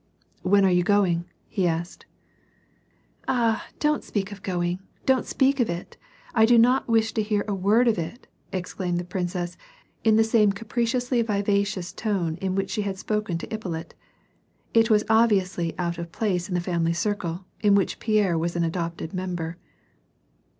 " When are you going ?" he asked. " Ah ! don't speak of going, don't speak of it. I do not w^ish to hear a word of it !"* exclaimed the princess, in the same capriciously vivacious tone in which she had spoken to Ippolit. It was obviously out of place in the family circle, in which Pierre was an adopted member.